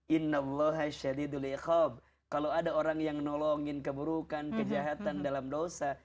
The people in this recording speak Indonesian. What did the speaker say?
inna allaha syadiduli khawab kalau ada orang yang nolongin keburukan kejahatan dalam dosa